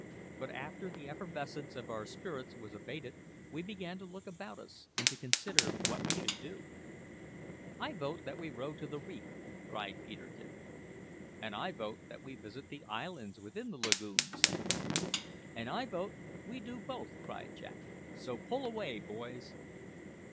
But after the effervescence of our spirits was abated, we began to look about us and to consider what we should do. "I vote that we row to the reef," cried Peterkin. "And I vote that we visit the islands within the lagoon," said I. "And I vote we do both," cried Jack; "so pull away, boys!"